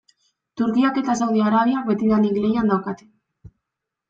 Turkiak eta Saudi Arabiak betidanik lehian daukate.